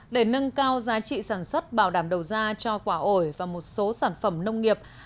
để nâng cao giá trị sản xuất bảo đảm đầu ra cho quả ổi và một số sản phẩm nông nghiệp